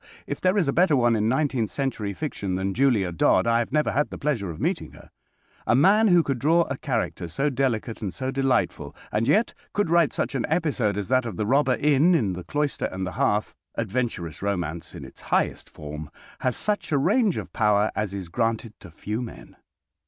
If there is a better one in nineteenth century fiction than Julia Dodd I have never had the pleasure of meeting her. A man who could draw a character so delicate and so delightful, and yet could write such an episode as that of the Robber Inn in "The Cloister and the Hearth," adventurous romance in its highest form, has such a range of power as is granted to few men.